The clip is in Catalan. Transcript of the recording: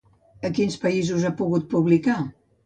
En quins països ha pogut publicar?